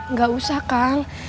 nggak usah kak